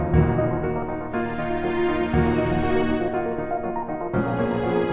kukira kamu masih ke concentrasi